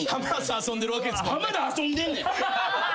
浜田遊んでんねん！